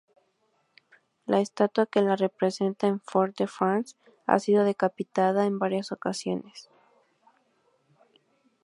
La estatua que la representa en Fort-de-France, ha sido decapitada en varias ocasiones.